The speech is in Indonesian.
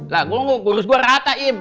lah gua ngurus gua rata im